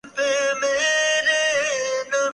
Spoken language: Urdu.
بس شام ٹھیک گزر جائے۔